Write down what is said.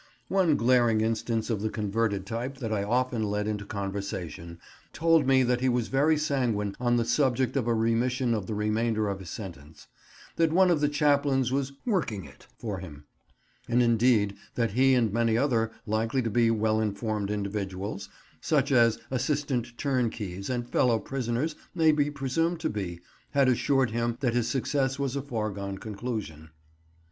One glaring instance of the converted type that I often led into conversation told me that he was very sanguine on the subject of a remission of the remainder of his sentence; that one of the chaplains was "working it" for him; and, indeed, that he and many other likely to be well informed individuals, such as assistant turnkeys and fellow prisoners may be presumed to be, had assured him that his success was a foregone conclusion.